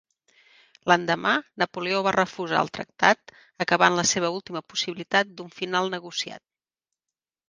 L'endemà Napoleó va refusar el tractat, acabant la seva última possibilitat d'un final negociat.